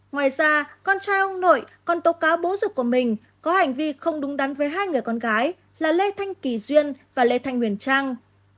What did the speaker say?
ngoài ra con trai ông nội còn tố cáo bố dục của mình có hành vi không đúng đắn với hai người con gái là lê thanh kỳ duyên và lê thanh huyền trang